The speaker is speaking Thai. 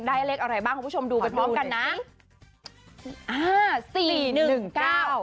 เลขอะไรบ้างคุณผู้ชมดูไปพร้อมกันนะอ่าสี่หนึ่งเก้า